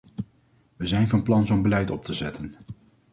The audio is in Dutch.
Wij zijn van plan zo'n beleid op te zetten.